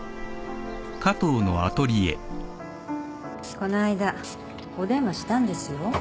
・この間お電話したんですよ。